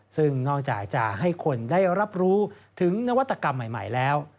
ซึ่งนอกจากจะให้คนได้รับรู้ถึงนวัตกรรมใหม่แล้ว